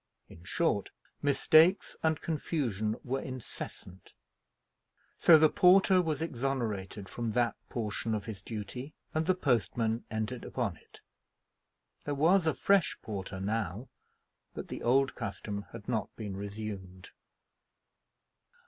In short, mistakes and confusion were incessant; so, the porter was exonerated from that portion of his duty, and the postman entered upon it. There was a fresh porter now, but the old custom had not been resumed.